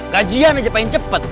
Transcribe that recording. gajian aja pengen cepet